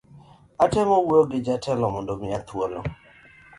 Atemo wuoyo gi jatelo mondo omiya thuolo